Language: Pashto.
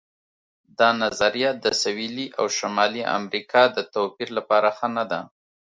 دا نظریه د سویلي او شمالي امریکا د توپیر لپاره ښه نه ده.